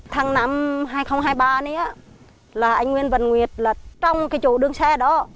tháng năm hai nghìn hai mươi ba này anh nguyễn văn nguyệt trong cái chỗ đường xe đó